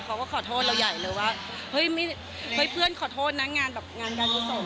เขาก็ขอโทษเราใหญ่เลยว่าเฮ้ยเพื่อนขอโทษนะงานการพรุษสม